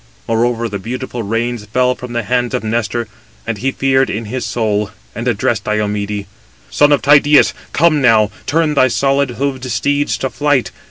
Moreover, the beautiful reins fell from the hands of Nestor, and he feared in his soul, and addressed Diomede: "Son of Tydeus, come now, turn thy solid hoofed steeds to flight.